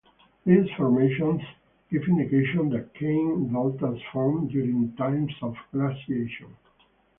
These formations give indication that kame deltas formed during times of glaciation.